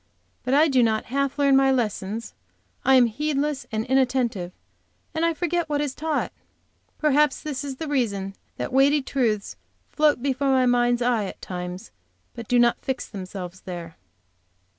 But I do not half learn my lessons, I am heedless and inattentive, and I forget what is taught. Perhaps this is the reason that weighty truths float before my mind's eye at times, but do not fix themselves there.